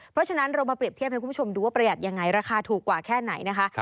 เพราะฉะนั้นเรามาเปรียบเทียบให้คุณผู้ชมดูว่าประหยัดยังไงราคาถูกกว่าแค่ไหนนะคะ